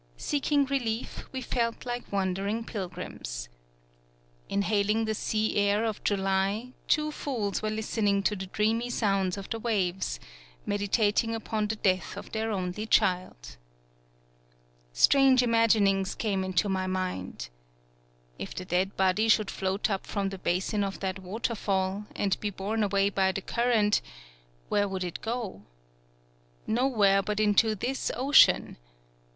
Seeking relief, we felt like wandering pilgrims. Inhaling the sea air of July, two fools were listening to the dreamy sounds of the waves, medi tating upon the death of their only child. Strange imaginings came into my mind. If the dead body should float up from the basin of that waterfall, ancl be borne away by the current, where would it go? Nowhere but into this ocean!